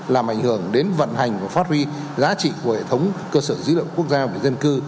làm ảnh hưởng đến vận hành và phát huy giá trị của hệ thống cơ sở dữ liệu quốc gia về dân cư